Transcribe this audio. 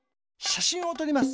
しゃしんをとります。